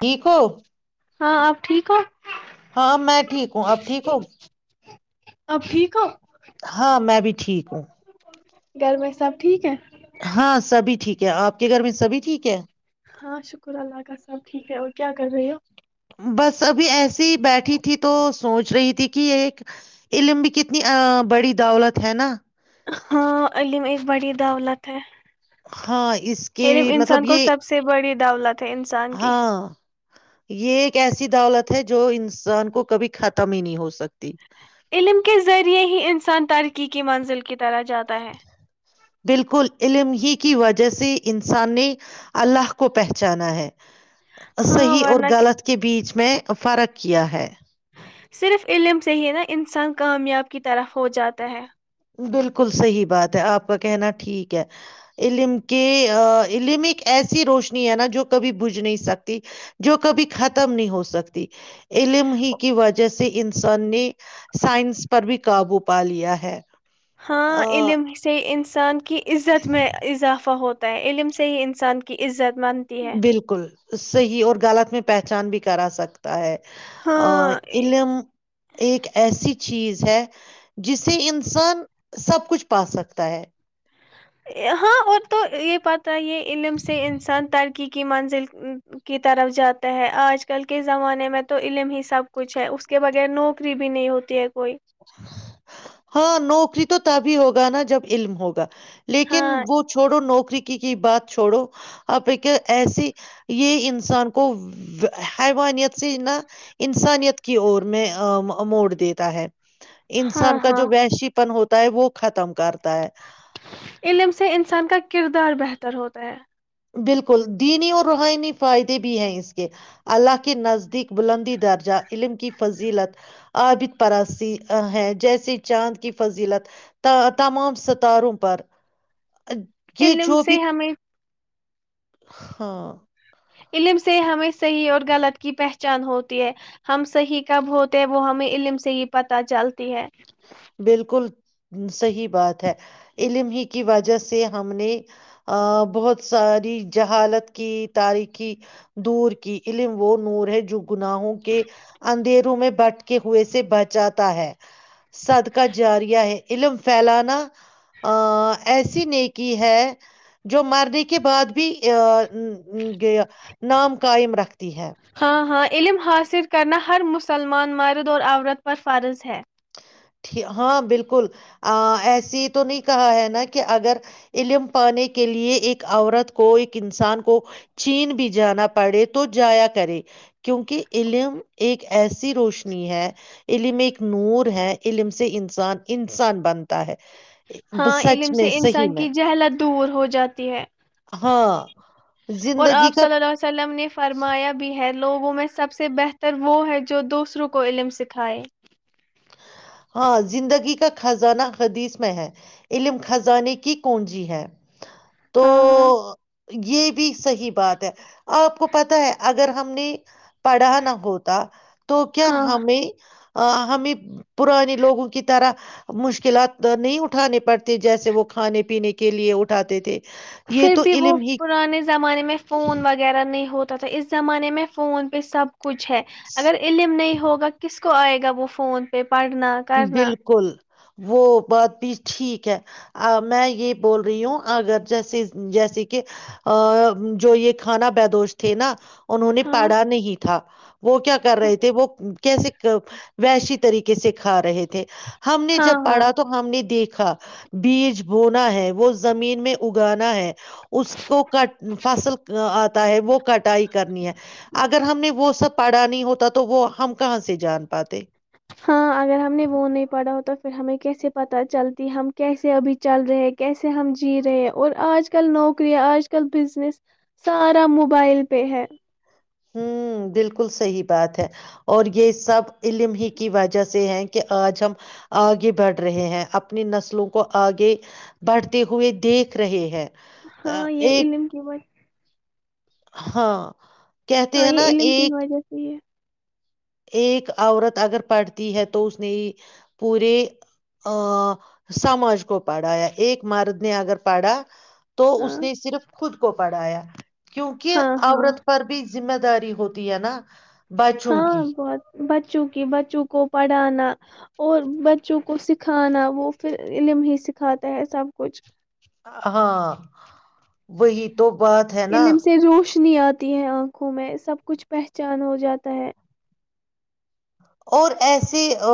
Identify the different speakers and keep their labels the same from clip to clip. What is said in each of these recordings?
Speaker 1: ٹھیک ہو
Speaker 2: ہاں آپ ٹھیک ہو
Speaker 1: ہاں میں ٹھیک ہوں آپ ٹھیک ہوگی
Speaker 2: اپ ٹھیک ہو
Speaker 1: ہاں میں بھی ٹھیک ہوں
Speaker 2: گھر میں سب ٹھیک ہے
Speaker 1: ہاں سبھی ٹھیک ہے آپ کے گھر میں سبھی ٹھیک ہے
Speaker 2: ہاں شکر اللہ کا سب ٹھیک ہے اور کیا کر رہے ہو
Speaker 1: بس ابھی ایسیے ہی بیٹھی تھی تو سوچ رہی تھی کہ ایک علم بھی کتنی بڑی دولت ہینا
Speaker 2: ہاں علم ایک بڑی دولت ہے
Speaker 1: ہاں اس کے
Speaker 2: علم انسان
Speaker 1: مطلب
Speaker 2: کو
Speaker 1: یہ
Speaker 2: سب سے بڑی دولت ہے انسان کی
Speaker 1: ہاں یہ ایک ایسی دولت ہے جو انسان کو کبھی ختم ہی نہیں ہو سکتی
Speaker 2: علم کے ذریعے ہی انسان ترقی کی منزل کی طرح جاتا ہے
Speaker 1: بالکل علم ہی کی وجہ سے انسان نے اللہ کو پہچانا ہے
Speaker 2: ہاں
Speaker 1: صحیح اور
Speaker 2: ورنہ
Speaker 1: غلط کے بیچ میں میں فرق کیا ہے
Speaker 2: صرف علم سے ہی نا انسان کامیاب کی طرف ہو جاتا ہے
Speaker 1: بلکل صحیح بات ہے آپ کا کہنا ٹھیک ہے علم کے علم ایک ایسی روشنی ہینا جو کبھی بجھ نہیں سکتی جو کبھی ختم نہیں ہو سکتی علم ہی کی وجہ سے انسان نے سائنس پر بھی قابو پا لیا ہے آ،
Speaker 2: ہاں علم سے ان انسان کی عزت میں اضافہ ہوتا علم سے ہی انسان کی عزت بنتی ہے
Speaker 1: بالکل [unintelligible] صحیح اور غلط میں پہچان بھی کرا سکتا ہے
Speaker 2: ہاں
Speaker 1: ام ایک ایسی چیز ہے جسے انسان سب کچھ پا سکتا ہے
Speaker 2: ہاں اور تو یہ بات ت یہ علم سے انسان ترقی کی منزل کی طرف جاتا ہے آج کل کے زمانے میں تو علم ہی سب کچھ ہے اس کے بغیر نوکری بھی نہیں ہوتی ہے کوئی
Speaker 1: ہاں نوکری تو تبھی ہوگا نا جب علم ہوگا لیکن
Speaker 2: ہاں
Speaker 1: وہ چھوڑو نوکری کے کی بات چھوڑو آ ایسی یہ انسان کو حوانیت سے نہ انسانیت کی اور میں موڑ دیتا ہے
Speaker 2: ہاں
Speaker 1: انسان کا
Speaker 2: ہاں
Speaker 1: جو ویشی پن ہوتا وہ ختم کرتا ہے
Speaker 2: علم سے انسان کا کردار بہتر تر ہوتا ہے
Speaker 1: بالکل دینی اور روحنی فائدے بھی ہیں اس کے اللہ کے نزدیک بلندی درجہ علم کی فضیلت عابد پراسی ہیں جیسے چاند کی فضیلت تمام ستاروں پر یہ چو
Speaker 2: علم
Speaker 1: بھی
Speaker 2: سے ہمیں
Speaker 1: ہاں [unintelligible]
Speaker 2: علم سے ہمیں صحیح اور غلط کی پہچان ہوتی ہے ہم صحیح کب ہوتے وہ ہمیں علم سے ہی پتہ چلتی ہے
Speaker 1: بالکل صحیح بات ہے علم ہی کی وجہ سے ہم نے ا بہت ساری جہالت کی تاریخی دور کی علم وہ نور ہے جو گناہوں کے اندھیروں میں بٹکے ہوئے سے بچات ہے [unintelligible] صدقہ جاریا ہے علم فھیلانا ا ایسی نہیں کی ہے جو مرنے کے بعد بھی ا یہ نام قائم رکھتی ہے
Speaker 2: ہاں ہاں علم حاصل کرنا ہر مسلمان مرد اور عورت پر فارض ہے
Speaker 1: ہاں بالکل ایسے یہ تو نہیں کہا ہے نا کہ اگر علم پانے کے لیے ایک عورت کو ایک انسان کو چین بھی جانا پڑے تو جایا کرے کیونکہ علم ایک ایسی روشنی ہے علم ایک نور ہیں علم سے انسان انسان بنتا ہے ب-
Speaker 2: ہاں علم
Speaker 1: سچ
Speaker 2: سے
Speaker 1: میں صحیح
Speaker 2: انسان
Speaker 1: میں
Speaker 2: کی جہلت دور ہو جاتی ہے
Speaker 1: ہاں
Speaker 2: اور
Speaker 1: زندگی
Speaker 2: آپ
Speaker 1: کا
Speaker 2: صلی اللہ ع وسلم نے فرمایا بھی ہے لوگوں میں سب سے بہتر وہ ہے جو دوسروں کو علم سکھائے
Speaker 1: ہاں زندگی کا خزانہ حدیث میں ہے علم خزانے کی کونجی ہے تو
Speaker 2: ہاں ہاں
Speaker 1: [unintelligible] یہ بھی صحیح بات ہے آپ کو پتا ہے اگر ہم نے پڑھا نہ ہوتا تو کیا
Speaker 2: ہاں
Speaker 1: ہمیں آ ہمیں [unintelligible] پرانے لوگوں کی طرح مشکلات نہیں اٹھ اٹھانے پڑتے جیسے وہ کھانے پینے کے لیے اٹھاتے تھے یہ
Speaker 2: پھر
Speaker 1: تو
Speaker 2: بھی وہ
Speaker 1: علم ہی
Speaker 2: پرانے زمانے میں فون وغیرہ نہیں ہوتا ت تھا اس زمانے میں فون پہ سب کچھ ہے اگر علم نہیں ہوگا کس کو آئے گا وہ فون پہ پڑھنا کرنا
Speaker 1: بالکل وہ بات بھی ٹھیک ہے میں یہ بول رہی ہوں اگر جیسے جیسے کہ جو یہ کھانا بدوش تھے نا انہوں نے
Speaker 2: ہاں
Speaker 1: پڑھا نہیں تھا وہ کیا کر رہے تھے وہ کیسے وحشی طریقے سے کھا رہے تھے ہم نے
Speaker 2: ہاں
Speaker 1: جب
Speaker 2: ہاں
Speaker 1: پڑھا تو ہم نے دی تھا بیج بونا ہے وہ زمین میں اگانا ہے اس کو کٹ فصل آ تا ہے وہ کٹائی کرنی ہے اگر ہم نے وہ سب پڑھا نہیں ہوتا تو وہ ہم کہاں سے جان پاتے
Speaker 2: ہاں اگر ہم نے وہ نہیں پڑھا ہوتا پھر ہمیں کیسے پتا چلتی ہم کیسے ابھی چل رہے ہیں کیسے ہم جی رہے ہیں اور آج کل نوکریا آج کل بزنس سارا موبائل پہ ہے
Speaker 1: ہوں بالکل صحی بات ہے اور یہ سب علم ہی کی وجہ سے ہے کہ آج ہم آگے بڑھ رہے ہیں اپنی نسلوں کو آگے بڑھتے ہوئے دیکھ رہے ہیں آ،
Speaker 2: ہاں یہ
Speaker 1: ایک
Speaker 2: علم کی
Speaker 1: ہاں کہتے
Speaker 2: ہاں
Speaker 1: ہیں
Speaker 2: یہ
Speaker 1: نا
Speaker 2: علم کی
Speaker 1: ایک
Speaker 2: وجہ سے ہی ہے
Speaker 1: ایک عورت اگر پڑھتی ہے تو اس نے پورے سماج کو پڑھایا ایک مرد نے اگر پڑھا تو
Speaker 2: ہاں
Speaker 1: اس نے صرف خود کو پڑھایا کیونکہ
Speaker 2: ہاں ہاں
Speaker 1: عورت پر بھی ذمہ داری ہوتی ہے نا بچوں
Speaker 2: ہاں
Speaker 1: کی
Speaker 2: بہت بچوں کی بچوں کو پڑھانا اور بچوں کو سکھانا وہ پھر علم ہی سکھاتا ہے سب کچھ
Speaker 1: ہاں وہی تو بات ہے نا
Speaker 2: کنی آتی ہے آنکھوں میں سب کچھ پہچان ہو جاتا ہے
Speaker 1: اور ایسی ا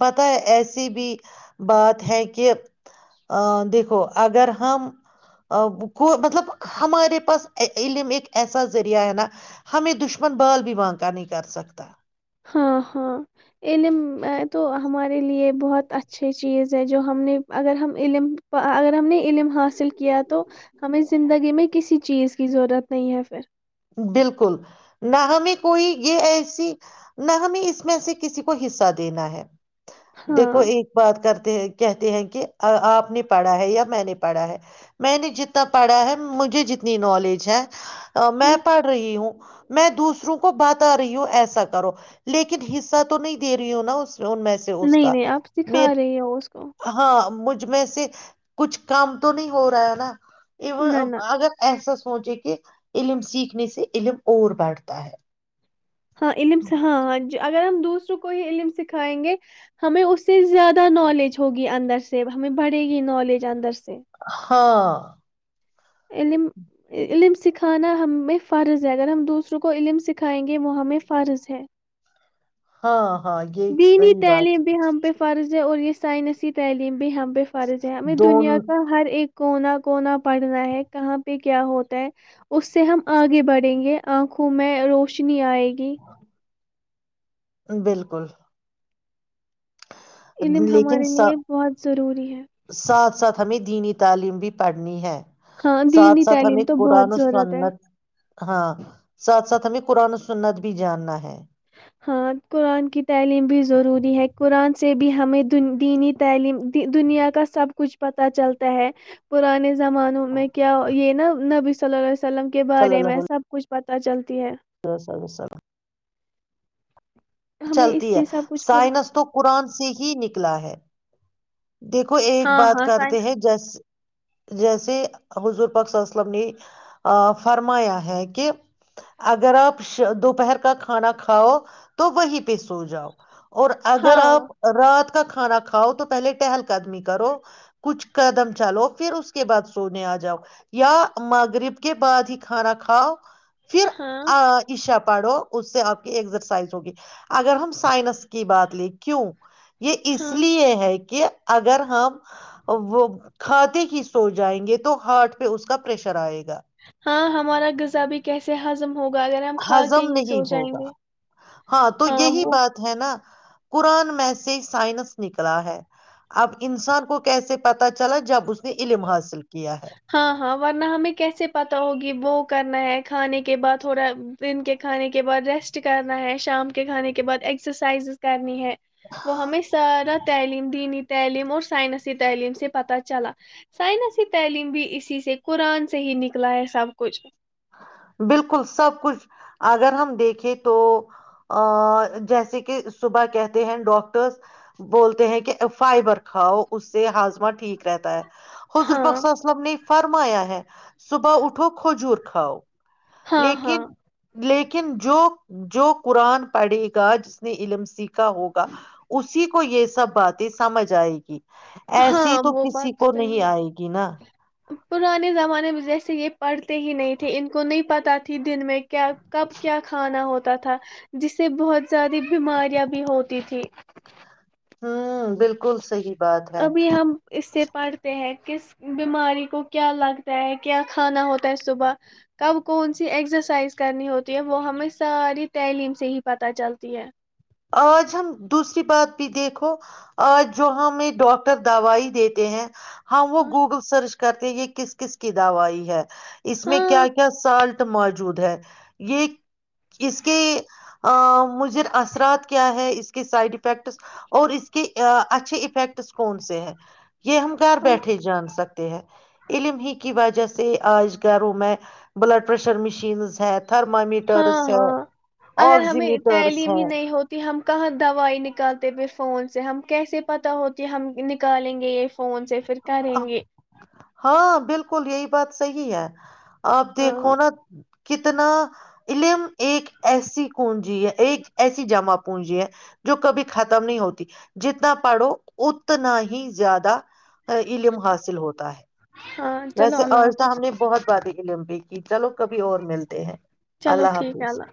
Speaker 1: پتا ہے ایسی بھی بات ہے کہ دیکھو اگر ہم کو مطلب ہمارے پاس علم ایک ایسا ذریعہ ہے نا ہمیں دشمن بال بھی با نکا نہیں کر سکتا
Speaker 2: ہاں ہاں علم تو ہمارے لیے بہت اچھے چیز ہے جو ہم نے اگر ہم علم اگر ہم نے علم حاصل کیا تو ہمیں زندگی میں کسی چیز کی ضرورت نہیں ہے پھر
Speaker 1: بالکل نہ ہمیں کوئی یہ ایسی نہ ہمیں اس میں سے کسی کو حصہ دینا ہے دیکھو
Speaker 2: ہاں
Speaker 1: ایک بات کرتے ہیں کہتے ہیں کہ آپ نے پڑھا ہے یا میں نے پڑھا ہے میں نے جتنا پڑھا ہے مجھے جتنی نالج ہے میں
Speaker 2: ہوں،
Speaker 1: رہی ہوں میں دوسروں کو باتا رہی ہوں ایسا کرو لیکن حصہ تو نہیں دے رہی ہوں نا اس میں سے اس
Speaker 2: نہیں
Speaker 1: کا
Speaker 2: نہیں آپ سکھا رہی ہو اس کو
Speaker 1: ہاں مج کچھ میں سے کچھ کام تو نہیں ہو رہا ہے نا
Speaker 2: نہ
Speaker 1: ا
Speaker 2: نہ
Speaker 1: اگر ایس [unintelligible] سوچے کہ علم سیکھ سے علم اور بڑھتا ہے
Speaker 2: ہاں علملمس ہاں اگر ہم دوسروں کوئی علم سکھائیں گے ہمیں اس سے زیادہ نالج ہوگی اندر سے ہمیں بڑھے گی نالج اندر سے
Speaker 1: ہاں ہاں
Speaker 2: علم علم سکھانا ہمیں فرض ہے اگر ہم دوسروں کو علم سکھائیں گے وہ ہمیں فرض ہے
Speaker 1: ہاں ہاں یہ
Speaker 2: دینی
Speaker 1: صحیح بات
Speaker 2: تعلیم بھی ہم پہ فرض ھے اور یہ سائنسی تعلیم بھی ہم بے فارض ہے ہمیں
Speaker 1: دون
Speaker 2: دنیا کا ہر ایک کونا کونا پڑھنا ہے کہاں پہ کیا ہوتا ہے اس سے ہم آگے بڑھیں گے آنکھوں میں روشنی آئے گی گی
Speaker 1: بالکل
Speaker 2: عم
Speaker 1: لیکن
Speaker 2: ہمارے
Speaker 1: سا-
Speaker 2: لیے بہت ضروری ہے
Speaker 1: ساتھ ساتھ ہمیں دینی تعلیم بھی پڑھنی ہے
Speaker 2: ہاں
Speaker 1: ساتھ
Speaker 2: دینی
Speaker 1: ساتھ
Speaker 2: تعلیم
Speaker 1: ہمیں
Speaker 2: تو بہت
Speaker 1: قرآن و
Speaker 2: ضرورت ہے
Speaker 1: سنت ہاں ساتھ ساتھ ہمیں قرآن سنت بھی جاننا ہے
Speaker 2: ہاں قرآن کی تعلیم بھی ضروری ہے قرآن سے بھی ہمیں دینی تعلیم دنیا کا سب کچھ پتا چلتا ہے پرانے زمانوں میں کیا یہ ن نہ نب سلا سلم کے بارے میں سب کچھ پتاہ چلتی ہے
Speaker 1: ا س س
Speaker 2: ہمیں
Speaker 1: چلتی
Speaker 2: اس
Speaker 1: ہے
Speaker 2: سے سب کچھ بول
Speaker 1: سائنس تو قرآن سے ہی نکلا ہے دیکھو ایک
Speaker 2: ہاں
Speaker 1: بات
Speaker 2: ہاں
Speaker 1: کرتے
Speaker 2: سائنس
Speaker 1: ہیں جیس جیسے حضور پاک صلم نے فرمایا ہے کہ اگر آپ دوپہر کا کھانا کھاؤ تو وہیں پہ سو جاؤ اور اگر
Speaker 2: ہاں
Speaker 1: آپ رات کا کھانا کھاؤ تو پہلے ٹہل قدمی کرو کچھ قدم چلو پھر اس کے بعد سونے آ جاؤ یا مغرب کے بعد ہی کھانا کھاؤ پھر
Speaker 2: ہاں
Speaker 1: آ ایشا پڑھو اس سے آپ کی ایکسرسائز ہوگی اگر ہم سائنس کی بات لیں کیوں یہ اس
Speaker 2: ہاں
Speaker 1: لیے ہے کہ کہ اگر ہم وہ کھاتے ہی سو جائیں گے تو ہارٹ پہ اس کا پریشر آئے گا
Speaker 2: ہاں ہمارا غذا بھی کیسے ہضم ہوگا اگر ہم کھا کے
Speaker 1: ہضم
Speaker 2: ہی سو
Speaker 1: نہیں
Speaker 2: جائیں
Speaker 1: ہوگا
Speaker 2: گے
Speaker 1: ہاں تو یہی بات ہے نا قرآن میں سے سائنس نکلا ہے اب انسان کو کیسے پتا چلا جب اس نے علم حاصل کیا ہے
Speaker 2: ہاں ہاں ورنہ ہمیں کیسے پتا ہوگی کہ وہ کرنا ہے کھانے کے بعد تھوڑا دن کے کھانے کے بعد ریسٹ کرنا ہے شام کے کھانے کے بعد ایکسرسائزز کرنی ہے وہ ہمیں سارا تعلیم دی نہیںی تعلیم اور سائنسی تعلیم سے پت چلا سائنسی تعلیم بھی اسی سے قرآن سے ہی نکلا ہے سب کچھ
Speaker 1: بالکل سب کچھ اگر ہم دیکھیں تو جیسے کہ صبح کہتے ہیں ڈاکٹرس بولتے ہیں کہ فائبر کھاؤ اس سے ہاضمہ ٹھیک رہتا ہے حضور
Speaker 2: ہاں
Speaker 1: پاک صلی اللہ علیہ وسلم نے فرمایا ہے صبح اٹھو کھجور کھاؤ
Speaker 2: ہاں ہاں
Speaker 1: لیکن لیکن لیکن جو جو قرآن پڑھے گا جس نے علم سیکھا ہوگا اسی کو یہ سب باتیں سمجھ آئے گی ایسی
Speaker 2: ہاں
Speaker 1: تو
Speaker 2: وہ
Speaker 1: کسی
Speaker 2: بات
Speaker 1: کو
Speaker 2: صحیح
Speaker 1: نہیں
Speaker 2: ہے
Speaker 1: آئے گی نا
Speaker 2: پرانے زمانے میں جیسے یہ پڑھتے ہی نہیں تھے ان کو نہیں پتا تھی دن میں کیا کب کیا کھانا ہوتا تا تھا جس سے بہت زیادہ بیماریاں بھی ہوتی تھی
Speaker 1: ہوں بالکل صحیح بات ہے
Speaker 2: ابھی ہم اس سے پڑھتے ہیں کس بیماری کو کیا لگتا ہے کیا کھانا ہوتا ہے صبح کب کون سی ایکسرسائز کرنی ہوتی ہے وہ ہمیں ساری تعلیم سے ہی پتہ چلتی ہے
Speaker 1: آج ہم دوسری بات بھی دیکھو آج جو ہمیں ڈاکٹر دوائی دیتے ہیں ہم وہ
Speaker 2: ہاں
Speaker 1: گوگل سرچ کرتے یہ کس کس کی دوائی ہے اس میں کیا کیا سالٹ موجود ہے یہ اس کے ا مضر اثرات اس کے سائڈ افیکٹس اور اس کے اچھے افیکٹس کون سے ہیں یہ ہم گھر
Speaker 2: ہاں
Speaker 1: بیٹھے جان سکتے ہیں علم ہی کی وجہ سے آج گھروں میں بلڈ پریشر مشینز ہے
Speaker 2: ہاں
Speaker 1: تھرمامیٹرس ہے
Speaker 2: ہاں اگر
Speaker 1: آکز
Speaker 2: ہمیں
Speaker 1: میٹرس
Speaker 2: تعلیم
Speaker 1: ہے
Speaker 2: ہی نہیں ہوتی ہم کہاں دوائی نکالتے پہ فون سے ہم کیسے پتہ ہوتی ہے ہم نکالیں گے یہ فون سے پھر کریں گے
Speaker 1: ہاں بالکل یہی بات صحی ہے آپ دیکھو
Speaker 2: ہاں
Speaker 1: نا کتنا علم ایک ایسی کنجی ہے ایک ایسی جمع پونجی ہے جو کبھی ختم نہیں ہوتی جتنا پڑھو اتنا ہی زیادہ علم حاصل ہوتا ہے
Speaker 2: ہاں چلو
Speaker 1: ویسے
Speaker 2: اللہ
Speaker 1: آٹا ہم
Speaker 2: حافظ
Speaker 1: نے بہت بادھی اولمپک کی چلو کبھی اور ملتے ہیں
Speaker 2: چلو
Speaker 1: اللہ
Speaker 2: ٹھیک ہے
Speaker 1: حافظ
Speaker 2: اللہ